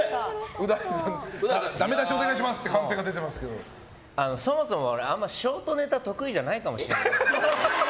う大さん、だめ出しお願いしますというカンペそもそも俺あんまショートネタ得意じゃないかもしれない。